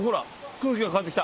空気が変わって来た。